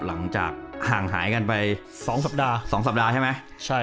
หลังจากห่างหายกันไป๒สัปดาห์๒สัปดาห์ใช่ไหม